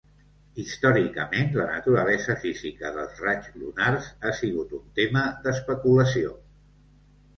Històricament, la naturalesa física dels raigs lunars ha sigut un tema d'especulació.